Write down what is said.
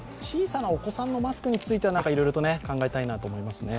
小さなお子さんのマスクについてはいろいろと考えたいなと思います。